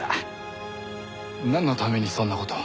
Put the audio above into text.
なんのためにそんな事を。